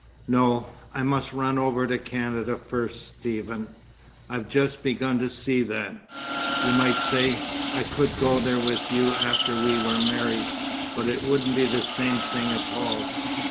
"No, I must run over to Canada first, Stephen. I've just begun to see that. You might say, I could go there with you after we were married, but it wouldn't be the same thing at all.